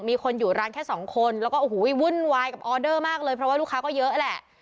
มีคนอยู่ร้านแค่สองคนแล้วก็โอ้โหวุ่นวายกับออเดอร์มากเลยเพราะว่าลูกค้าก็เยอะแหละ